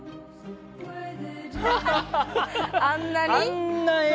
あんなに。